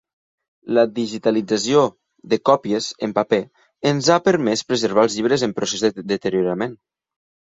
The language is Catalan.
La digitalització de còpies en paper ens ha permès preservar els llibres en procés de deteriorament.